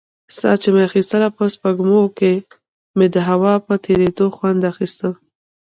ساه چې مې اخيستله په سپږمو کښې مې د هوا په تېرېدو خوند اخيست.